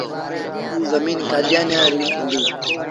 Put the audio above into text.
اوٚ زميݩ ڪآديآنيآن ريٚ هُݩديٚ۔